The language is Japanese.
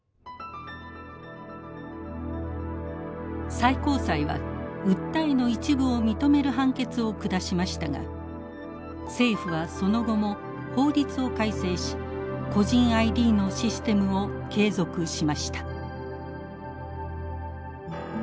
最高裁は訴えの一部を認める判決を下しましたが政府はその後も法律を改正し個人ＩＤのシステムを継続しました。